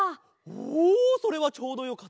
おそれはちょうどよかった。